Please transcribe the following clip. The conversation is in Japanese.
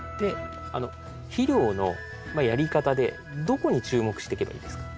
肥料のやり方でどこに注目していけばいいですか？